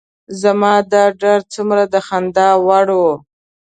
زما دا ډار څومره د خندا وړ و.